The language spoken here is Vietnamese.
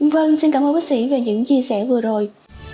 vâng xin cảm ơn bác sĩ về những chia sẻ vừa rồi